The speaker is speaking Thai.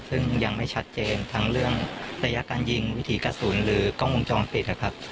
ซึ่งยังไม่ชัดเจนทั้งเรื่องระยะการยิงวิถีกระสุนหรือกล้องวงจรปิดนะครับ